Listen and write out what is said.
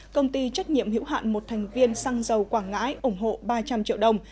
công ty trách nhiệm hữu hạn một thành viên xăng dầu quảng ngãi ủng hộ ba trăm linh triệu đồng